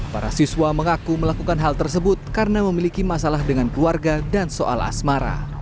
para siswa mengaku melakukan hal tersebut karena memiliki masalah dengan keluarga dan soal asmara